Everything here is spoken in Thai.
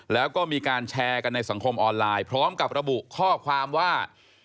แล้วก็มีการแชร์กันในสังคมออนไลน์พร้อมกับระบุข้อความว่า